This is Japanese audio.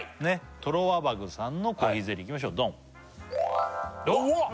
トロワバグさんのコーヒーゼリーいきましょうドンおわっ！